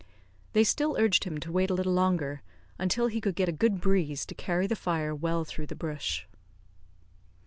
They still urged him to wait a little longer, until he could get a good breeze to carry the fire well through the brush.